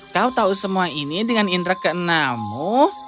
kau tahu semua ini dengan indra kenamu